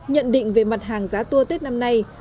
nhận định về mặt hàng giá tour tết năm nay